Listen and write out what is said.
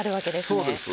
そうです。